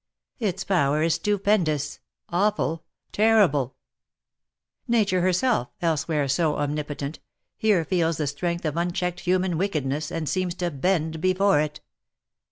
Its power is stupendous, awful, terrible ! Nature herself, elsewhere so omnipo tent, here feels the strength of unchecked human wickedness, and seems to bend before it.